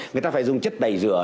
người ta phải dùng chất tẩy rửa